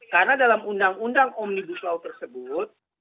karena dalam undang undang omnibus law tersebut